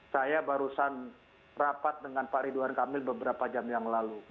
saya barusan rapat dengan pak ridwan kamil beberapa jam yang lalu